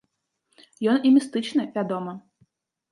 Ён і містычны, вядома.